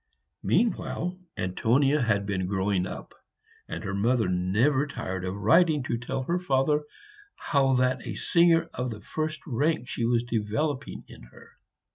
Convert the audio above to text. Meanwhile, Antonia had been growing up; and her mother never tired of writing to tell her father how that a singer of the first rank was developing in her.